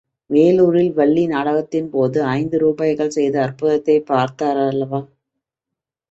வேலூரில் வள்ளி நாடகத்தின்போது ஐந்து ரூபாய்கள் செய்த அற்புதத்தைப் பார்த்தாரல்லவா?